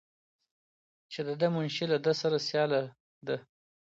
چې د ده منشي له ده سره سیاله ده.